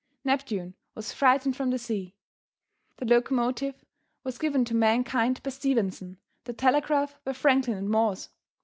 Neptune was frightened from the sea. The locomotive was given to mankind by Stephenson; the telegraph by Franklin and Morse.